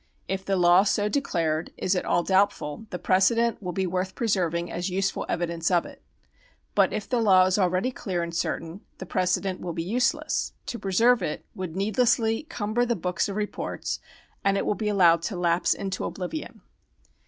If the law so declared is at all doubt ful, the precedent will be worth preserving as useful evidence of it. But if the law is already clear and certain, the pre cedent will be useless ; to preserve it would needlessly cumber the books of reports, and it will be allowed to lapse into oblivion.